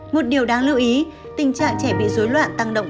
một điều đáng lưu ý tình trạng trẻ bị dối loạn tăng động